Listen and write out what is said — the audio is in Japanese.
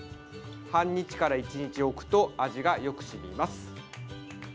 半日から１日置くと味がよく染みます。